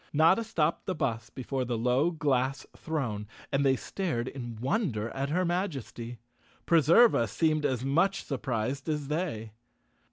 Notta stopped the bus before the low glass throne and they stared in wonder at her Majesty. Preserva seemed as much surprised as they.